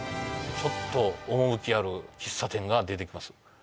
ちょっと趣ある喫茶店が出てきます